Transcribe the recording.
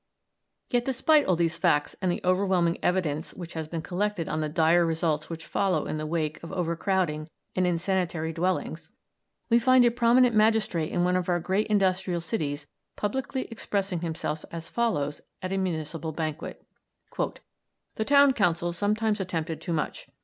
Yet, despite all these facts and the overwhelming evidence which has been collected on the dire results which follow in the wake of overcrowding and insanitary dwellings, we find a prominent magistrate in one of our great industrial cities publicly expressing himself as follows at a municipal banquet: "The Town Council sometimes attempted too much.